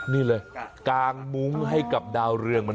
นี่เลยกางมุ้งให้กับดาวน์เรืองมันซะ